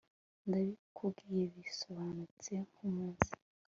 Ndabikubwiye bisobanutse nkumunsi